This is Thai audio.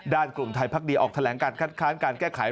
ด้านกลุ่มไทยภักดีออกแถลงการแค้นการแก้ไข